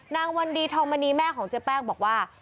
วันดีทองมณีแม่ของเจ๊แป้งบอกว่า